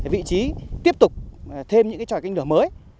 vị trí tiếp tục thêm những tròi canh lửa mới